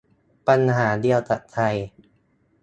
ปัญหาเดียวกับไทย